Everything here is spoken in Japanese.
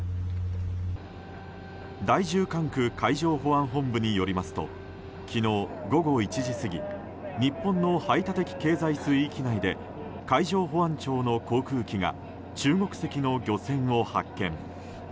第１０管区海上保安本部によりますと昨日午後１時過ぎ日本の排他的経済水域内で海上保安庁の航空機が中国籍の漁船を発見。